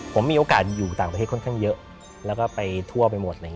ผมมีโอกาสอยู่ต่างประเทศค่อนข้างเยอะแล้วก็ไปทั่วไปหมด